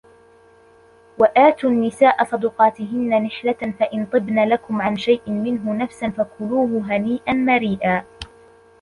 وَآتُوا النِّسَاءَ صَدُقَاتِهِنَّ نِحْلَةً فَإِنْ طِبْنَ لَكُمْ عَنْ شَيْءٍ مِنْهُ نَفْسًا فَكُلُوهُ هَنِيئًا مَرِيئًا